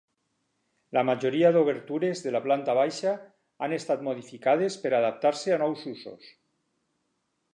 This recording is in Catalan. La majoria d'obertures de la planta baixa han estat modificades per adaptar-se a nous usos.